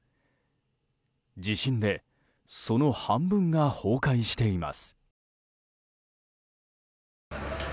地震でその半分が崩壊しています。